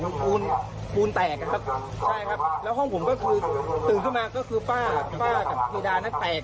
ครับใช่ครับแล้วห้องผมก็คือตื่นเข้ามาก็คือป้าป้ากับเพดานักแตก